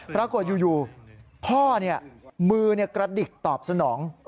ปรากฏอยู่พ่อมือกระดิกตอบสนอง